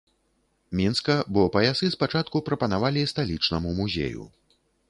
Мінска, бо паясы спачатку прапанавалі сталічнаму музею.